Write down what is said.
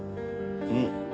うん？